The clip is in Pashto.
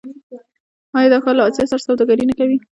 آیا دا ښار له اسیا سره سوداګري نه کوي؟